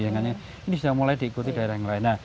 ini sudah mulai diikuti daerah yang lain